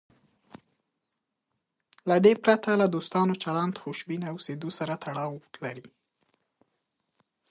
له دې پرته له دوستانه چلند خوشبینه اوسېدو سره تړاو لري.